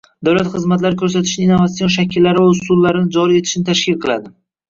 Davlat xizmatlari ko’rsatishning innovatsion shakllari va usullarini joriy etishni tashkil qiladi.